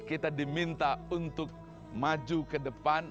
kita diminta untuk maju ke depan